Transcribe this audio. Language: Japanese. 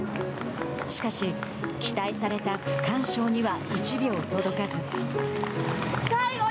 しかし、期待された区間賞には１秒届かず。